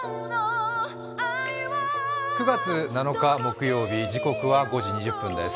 ９月７日、木曜日、時刻は５時２０分です。